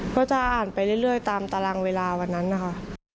ก็จะอ่านไปเรื่อยตามตารางเวลาวันนั้นนะคะ